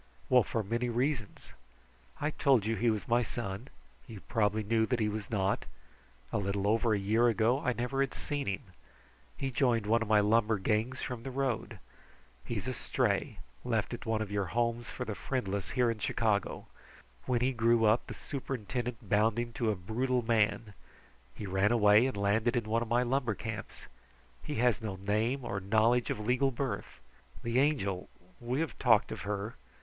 Well, for many reasons! I told you he was my son. You probably knew that he was not. A little over a year ago I never had seen him. He joined one of my lumber gangs from the road. He is a stray, left at one of your homes for the friendless here in Chicago. When he grew up the superintendent bound him to a brutal man. He ran away and landed in one of my lumber camps. He has no name or knowledge of legal birth. The Angel we have talked of her.